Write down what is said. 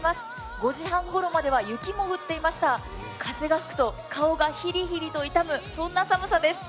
５時半ごろまでは雪も降っていました風が吹くと顔がヒリヒリと痛むそんな寒さです。